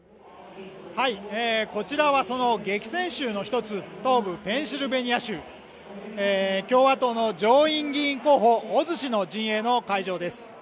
こちらはその激戦州の１つ東部ペンシルベニア州共和党の上院議員候補の陣営の会場です